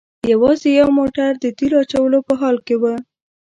یوازې یو موټر د تیلو اچولو په حال کې و.